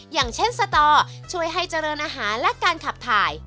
อย่างเช่นสตอช่วยให้เจริญอาหารและการขับถ่าย